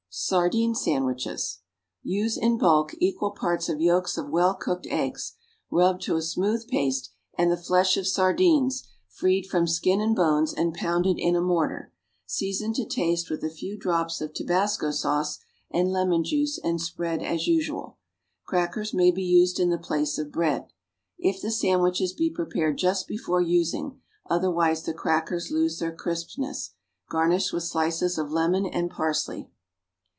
=Sardine Sandwiches.= Use, in bulk, equal parts of yolks of well cooked eggs, rubbed to a smooth paste, and the flesh of sardines, freed from skin and bones and pounded in a mortar; season to taste with a few drops of tobasco sauce and lemon juice, and spread as usual. Crackers may be used in the place of bread, if the sandwiches be prepared just before using, otherwise the crackers lose their crispness. Garnish with slices of lemon and parsley.